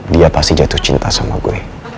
dia pasti jatuh cinta sama gue